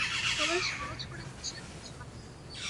আমাদের সহজ করে বুঝিয়ে বলছো না কেন?